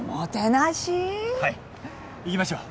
はい行きましょう。